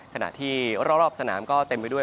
ขณะที่รอบสนามก็เต็มไปด้วย